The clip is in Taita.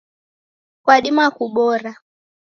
Kwadima kubora